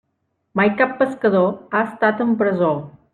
Mai cap pescador ha estat en presó.